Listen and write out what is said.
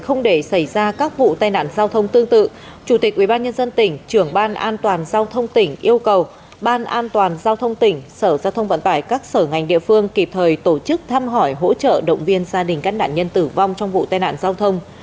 không để xảy ra các vụ tai nạn giao thông tương tự chủ tịch ubnd tỉnh trưởng ban an toàn giao thông tỉnh yêu cầu ban an toàn giao thông tỉnh sở giao thông vận tải các sở ngành địa phương kịp thời tổ chức thăm hỏi hỗ trợ động viên gia đình các nạn nhân tử vong trong vụ tai nạn giao thông